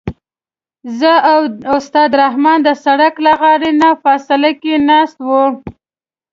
زه او استاد رحماني د سړک له غاړې نه فاصله کې ناست وو.